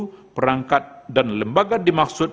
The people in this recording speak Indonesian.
selain itu perangkat dan lembaga dimaksud untuk menegakkan kode etik